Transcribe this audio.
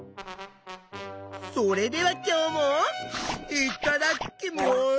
それでは今日もいっただっきます！